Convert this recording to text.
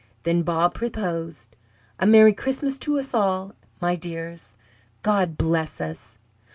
Then Bob proposed: "A Merry Christmas to us all, my dears. God bless us!"